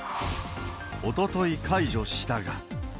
おととい解除したが。